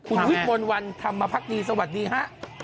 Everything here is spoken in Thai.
คุณวิทย์มนตร์วันทำมาพักดีสวัสดีค่ะ